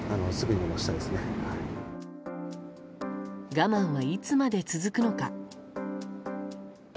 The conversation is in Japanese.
我慢はいつまで続くのか。